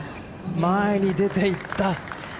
前に出ていった。